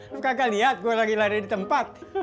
lo kagak liat gue lagi lari di tempat